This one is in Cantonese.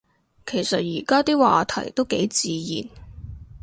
其實而家啲話題都幾自然